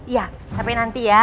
ya tapi nanti ya